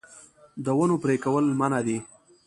د ونو پرې کول منع دي